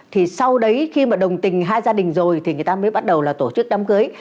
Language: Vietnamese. thì sau đấy khi mà đồng tình hai gia đình rồi thì người ta mới bắt đầu là tổ chức đám cưới